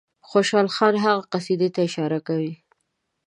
خوشحال خان هغه قصیدې ته اشاره کوي.